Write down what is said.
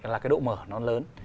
là cái độ mở nó lớn